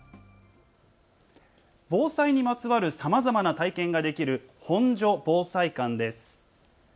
防災にまつわるさまざまな体験ができる本所防災館です。